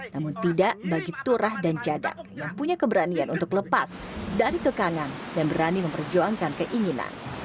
namun tidak bagi turah dan jada yang punya keberanian untuk lepas dari kekangan dan berani memperjuangkan keinginan